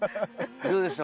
どうでした？